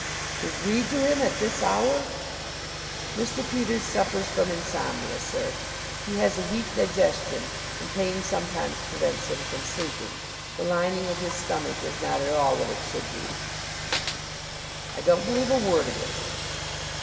"To read to him at this hour?" "Mr. Peters suffers from insomnia, sir. He has a weak digestion and pain sometimes prevents him from sleeping. The lining of his stomach is not at all what it should be." "I don't believe a word of it."